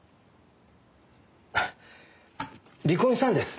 あっ離婚したんです。